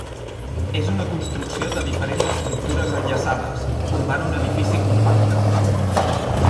És una construcció de diferents estructures enllaçades, formant un edifici compacte.